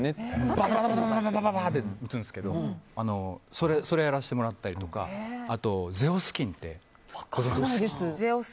バババババって打つんですけどそれをやらせてもらったりとかあと、ゼオスキンっていう。